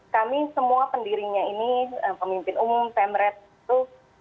kami semua pendirinya ini pemimpin umum pemret itu